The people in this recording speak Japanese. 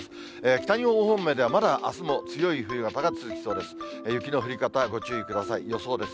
北日本方面では、まだあすも強い冬型が続きそうです。